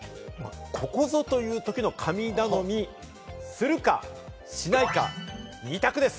皆さん、ここぞという時の神頼み、するか、しないか、二択です。